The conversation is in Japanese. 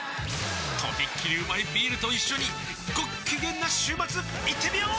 とびっきりうまいビールと一緒にごっきげんな週末いってみよー！